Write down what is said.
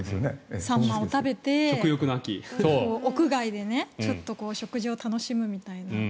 サンマを食べて屋外でちょっと食事を楽しむみたいな。